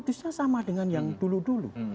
bisnisnya sama dengan yang dulu dulu